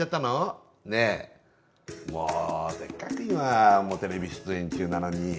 もうせっかく今テレビ出演中なのに。